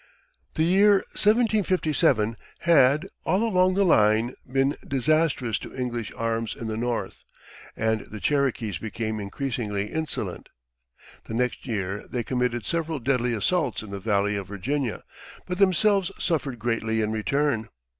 The year 1757 had, all along the line, been disastrous to English arms in the North, and the Cherokees became increasingly insolent. The next year they committed several deadly assaults in the Valley of Virginia, but themselves suffered greatly in return.